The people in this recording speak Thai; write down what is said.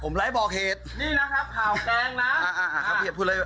ผมไล่บอกเหตุนี่นะครับข่าวแกงนะอ่าอ่าอ่าครับพี่อย่าพูดอะไร